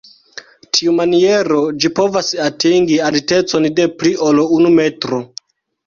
Tiumaniero ĝi povas atingi altecon de pli ol unu metro.